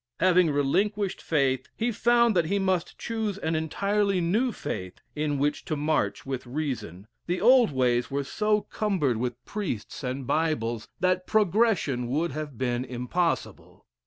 Having relinquished faith, he found that he must choose an entirely new faith in which to march with reason; the old ways were so cumbered with priests and Bibles, that progression would have been impossible.